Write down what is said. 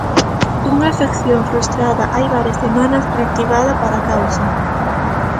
Unha afección frustrada hai varias semanas reactivada para a causa.